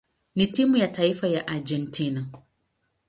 na timu ya taifa ya Argentina.